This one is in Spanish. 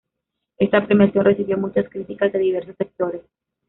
Esta premiación recibió muchas críticas de diversos sectores.